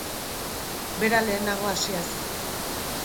Bera lehenago hasia zen.